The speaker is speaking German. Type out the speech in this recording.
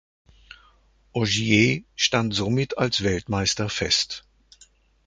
Ogier stand somit als Weltmeister fest.